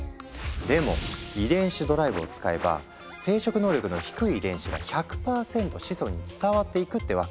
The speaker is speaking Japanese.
でも遺伝子ドライブを使えば生殖能力の低い遺伝子が１００％子孫に伝わっていくってわけ。